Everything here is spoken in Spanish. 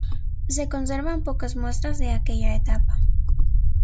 Se conservan pocas muestras de aquella etapa.